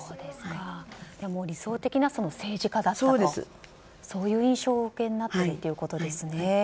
理想的な政治家だったとそういう印象をお受けになっているということですね。